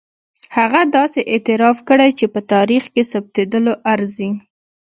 هغه داسې اعتراف کړی چې په تاریخ کې ثبتېدلو ارزي.